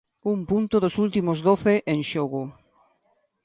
Un punto dos últimos doce en xogo.